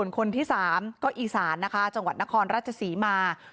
คนที่๓ภาคอีสานจังหวัดนครราชศรีมา